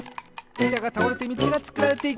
いたがたおれてみちがつくられていく！